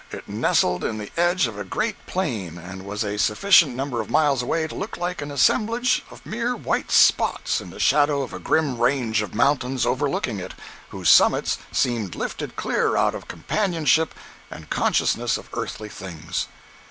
It nestled in the edge of a great plain and was a sufficient number of miles away to look like an assemblage of mere white spots in the shadow of a grim range of mountains overlooking it, whose summits seemed lifted clear out of companionship and consciousness of earthly things.